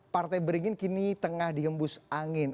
partai beringin kini tengah dihembus angin